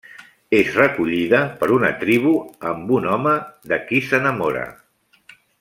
És recollida per una tribu amb un home de qui s'enamora: